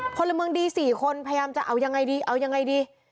พลเมืองดี๔คนพยายามจะเอายังไงดีเอายังไงดี